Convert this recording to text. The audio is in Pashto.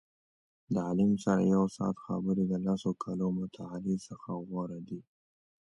د عالم سره یو ساعت خبرې د لسو کالو مطالعې څخه غوره دي.